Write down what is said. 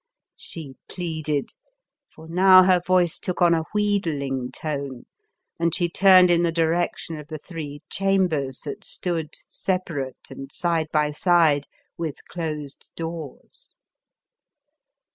she plead ed, for now her voice took on a wheed ling tone ; and she turned in the direc tion of the three chambers that stood separate and side by side with closed doors.